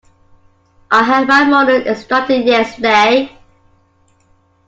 I had my molars extracted yesterday.